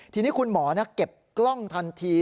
ทีนี้คุณหมอเก็บกล้องทันที